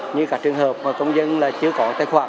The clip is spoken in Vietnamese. như các trường hợp công dân chưa có tài khoản